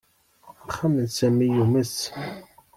Axxam n Sami yumes.